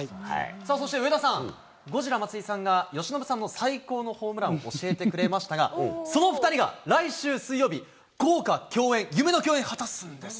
さあ、そして上田さん、ゴジラ松井さんが由伸さんの最高のホームランを教えてくれましたが、その２人が来週水曜日、豪華共演、夢の共演を果たすんです。